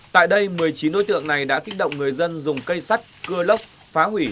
tại đây một mươi chín đối tượng này đã kích động người dân dùng cây sắt cưa lốc phá hủy